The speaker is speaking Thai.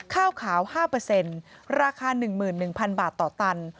ข้าวขาว๕ราคา๑๑๐๐๐บาทต่อตัน